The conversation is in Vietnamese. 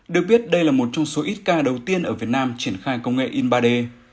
được biết đây là một trong số ít ca đầu tiên ở việt nam triển khai công nghệ in ba d